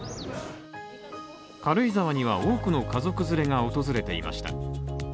軽井沢には多くの家族連れが訪れていました。